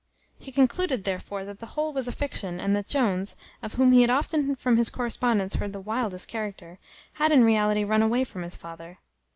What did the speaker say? He concluded, therefore, that the whole was a fiction, and that Jones, of whom he had often from his correspondents heard the wildest character, had in reality run away from his father.